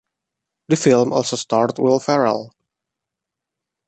The film also starred Will Ferrell.